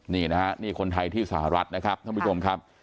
นี่นะฮะนี่คนไทยที่สหรัฐนะครับท่านผู้ชมครับ